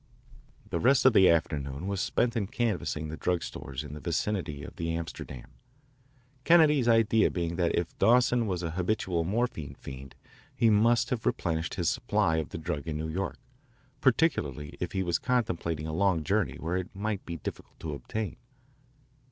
The rest of the afternoon we spent in canvassing the drug stores in the vicinity of the Amsterdam, Kennedy's idea being that if Dawson was a habitual morphine fiend he must have replenished his supply of the drug in New York, particularly if he was contemplating a long journey where it might be difficult to obtain.